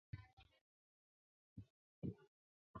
邦维拉尔的总面积为平方公里。